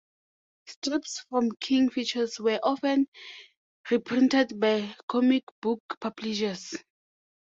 Strips from King Features were often reprinted by comic book publishers.